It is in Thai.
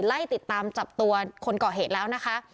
ไล่ติดตามจับตัวคนก่อเหตุแล้วนะคะ